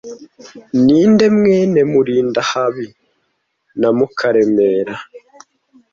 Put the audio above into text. Ninde mwene Mulindahabi na Mukaremera